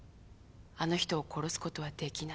あの人を殺すことはできない。